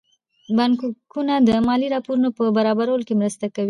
بانکونه د مالي راپورونو په برابرولو کې مرسته کوي.